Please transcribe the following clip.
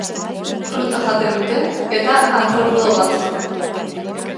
Fruta jaten dute, eta artropodo batzuk.